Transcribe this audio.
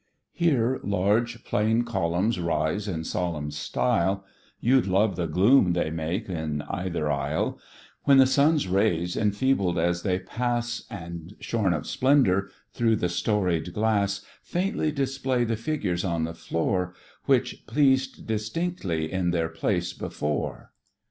Here large plain columns rise in solemn style, You'd love the gloom they make in either aisle; When the sun's rays, enfeebled as they pass (And shorn of splendour) through the storied glass, Faintly display the figures on the floor, Which pleased distinctly in their place before.